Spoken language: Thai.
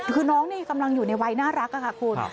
คือน้องนี่กำลังอยู่ในวัยน่ารักค่ะคุณ